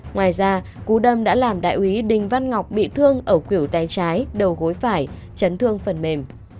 ngoài ra cú đâm đã làm đại úy đình văn ngọc bị thương ở cửu tay trái đầu gối phải chấn thương phần mềm